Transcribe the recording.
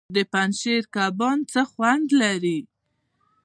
د پنجشیر کبان څه خوند لري؟